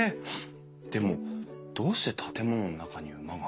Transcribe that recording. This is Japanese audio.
でもどうして建物の中に馬が？